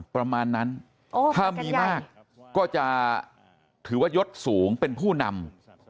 ประมาณนั้นถ้ามีมากก็จะถือว่ายศสูงเป็นผู้นำ